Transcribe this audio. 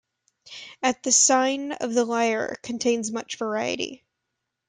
"At the Sign of the Lyre" contains much variety.